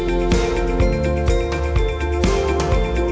mình đã mở hàng ngày pratt lewis